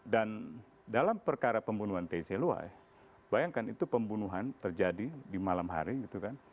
dan dalam perkara pembunuhan teis eluai bayangkan itu pembunuhan terjadi di malam hari gitu kan